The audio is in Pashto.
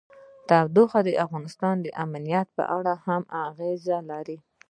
تودوخه د افغانستان د امنیت په اړه هم اغېز لري.